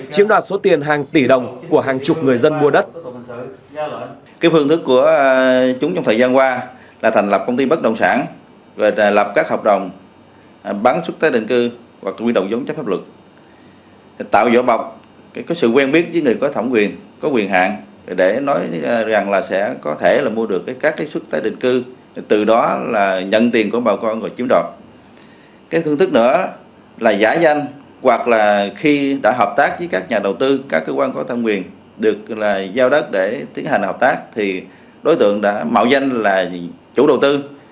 chiếm đoạt số tiền hàng tỷ đồng của hàng chục người dân mua đất